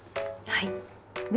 はい。